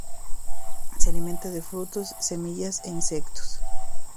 Se alimentan de frutos, semillas e insectos.